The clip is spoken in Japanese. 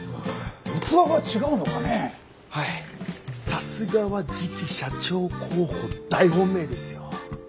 さすがは次期社長候補大本命ですよ。